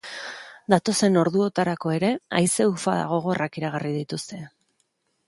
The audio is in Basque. Datozen orduotarako ere haize ufada gogorrak iragarri dituzte.